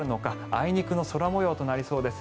あいにくの空模様となりそうです。